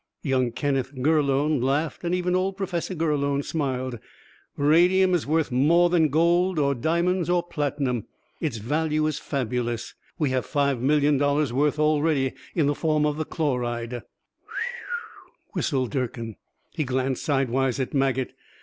Young Kenneth Gurlone laughed, and even old Professor Gurlone smiled. "Radium is worth more than gold or diamonds or platinum. Its value is fabulous. We have five million dollars worth already, in the form of the chloride." "Whew," whistled Durkin. He glanced sidewise at Maget.